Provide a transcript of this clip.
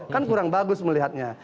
kan kurang bagus melihatnya